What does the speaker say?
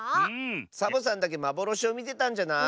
サボさんだけまぼろしをみてたんじゃない？